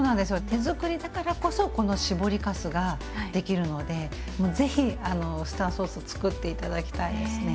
手づくりだからこそこの搾りかすができるのでぜひウスターソースつくって頂きたいですね。